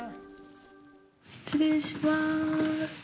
失礼します。